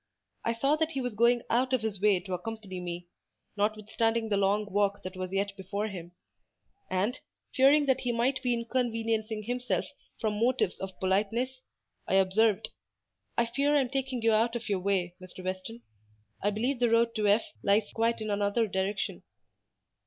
I saw that he was going out of his way to accompany me, notwithstanding the long walk that was yet before him; and, fearing that he might be inconveniencing himself from motives of politeness, I observed—"I fear I am taking you out of your way, Mr. Weston—I believe the road to F—— lies quite in another direction."